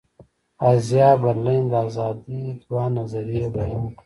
ازایا برلین د آزادي دوه نظریې بیان کړې.